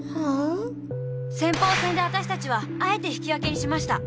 先鋒戦でわたしたちはあえて引き分けにしました。